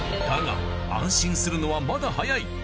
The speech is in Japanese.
だが安心するのはまだ早い！